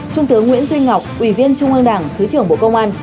trung tướng nguyễn duy ngọc ủy viên trung ương đảng thứ trưởng bộ công an